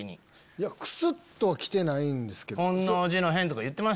いやクスっとは来てないんですけど。